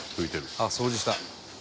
「あっ掃除した。